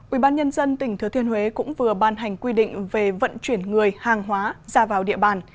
ubnd tỉnh thừa thiên huế cũng vừa ban hành quy định về vận chuyển người hàng hóa ra vào địa bàn